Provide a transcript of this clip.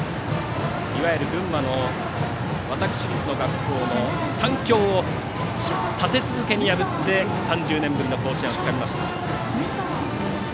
いわゆる群馬の私立学校の三強を立て続けに破って、３０年ぶりの甲子園をつかみました。